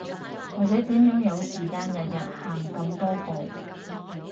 或者點樣有時間日日行咁多步